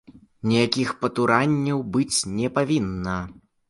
Ніякіх патуранняў быць не павінна!